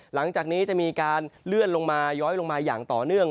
หลังจากนี้จะมีการเลื่อนลงมาย้อยลงมาอย่างต่อเนื่อง